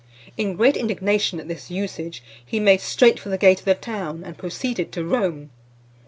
In great indignation at this usage, he made straight for the gate of the town, and proceeded to Rome.